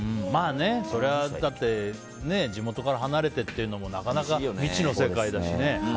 そりゃ、地元から離れてっていうのもなかなか未知の世界だしね。